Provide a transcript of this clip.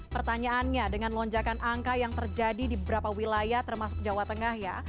pertanyaannya dengan lonjakan angka yang terjadi di beberapa wilayah termasuk jawa tengah ya